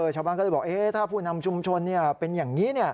ชาวบ้านก็เลยบอกถ้าผู้นำชุมชนเป็นอย่างนี้